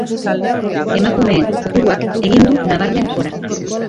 Emakumeen kopuruak egin du nabarmen gora.